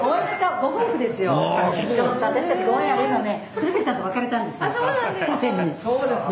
鶴瓶さんと別れたんですよ。